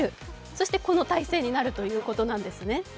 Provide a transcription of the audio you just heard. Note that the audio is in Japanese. そしてこの体勢になるということなんですね。